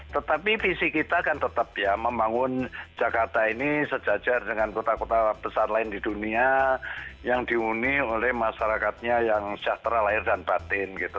tetapi visi kita kan tetap ya membangun jakarta ini sejajar dengan kota kota besar lain di dunia yang dihuni oleh masyarakatnya yang sejahtera lahir dan batin gitu